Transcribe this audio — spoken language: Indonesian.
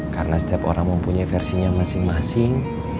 karena setiap orang mempunyai versinya masing masing